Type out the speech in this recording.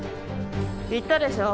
言ったでしょ。